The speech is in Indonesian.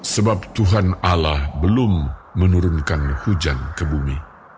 sebab tuhan allah belum menurunkan hujan ke bumi